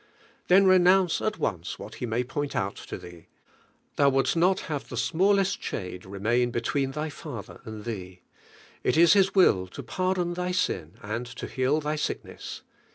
Then renounce at once what TTc may point out to thee. Tlion wouldst not have the smallest shade remain hetween ihy Father ami thee. It is His will to pardon thy sin and In heal thy sickness.